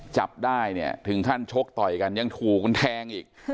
จับได้เนี่ยถึงขั้นชกต่อยกันยังถูกแทงอีก